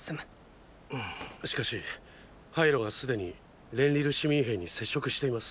しかしハイロが既にレンリル市民兵に接触しています。